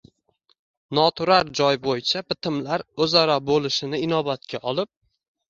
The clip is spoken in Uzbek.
noturar joy bo‘yicha bitimlar o‘zaro bo‘lishini inobatga olib